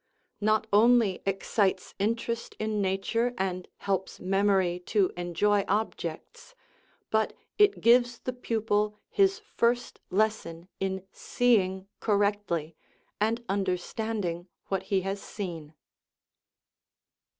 not only excites interest in nature and helps memory to enjoy objects, but it gives the pupil his first lesson in seeing correctly and under standing what he has seen.